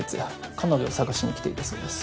彼女を捜しに来ていたそうです。